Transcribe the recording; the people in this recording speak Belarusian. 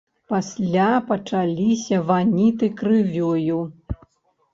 Пасля пачаліся ваніты крывёю.